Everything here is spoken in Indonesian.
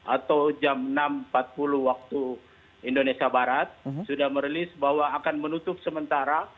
atau jam enam empat puluh waktu indonesia barat sudah merilis bahwa akan menutup sementara